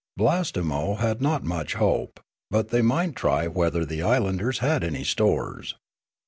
Blastemo had not much hope ; but they might try whether the islanders had any stores.